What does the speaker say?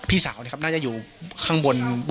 ปกติพี่สาวเราเนี่ยครับเปล่าครับเปล่าครับเปล่าครับ